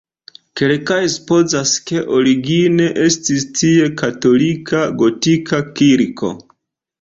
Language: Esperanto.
Kelkaj supozas, ke origine estis tie katolika gotika kirko.